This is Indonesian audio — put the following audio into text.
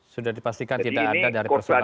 sudah dipastikan tidak ada dari prosedur